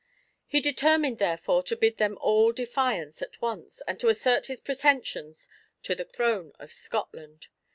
He determined, therefore, to bid them all defiance at once, and to assert his pretensions to the throne of Scotland.